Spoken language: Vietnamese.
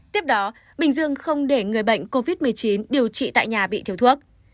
tiếp đó bình dương không để người bệnh covid một mươi chín điều trị tại nhà bị thiếu thuốc